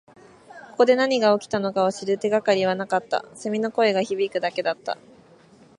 ここで何が起きたのかを知る手がかりはなかった。蝉の声が響くだけだった。